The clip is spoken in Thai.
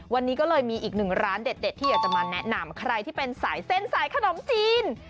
วันนี้ก็เลยมีอีกหนึ่งร้านเด็ดที่อยากจะมาแนะนำใครที่เป็นสายเส้นสายขนมจีน